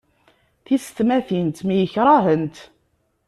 Tisetmatin temyekrahent.